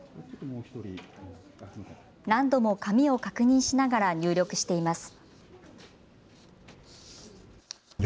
何度も紙を確認しながら入力しています。